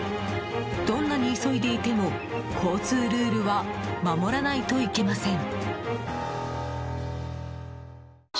どんなに急いでいても交通ルールは守らないといけません。